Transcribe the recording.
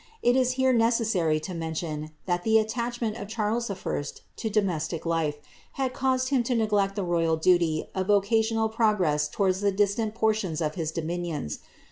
It is here necessary to mention, that the attachment of Charles I. to domestic life, had caused him to neglect the royal duty of occasional progress towards distant portions of his dominions.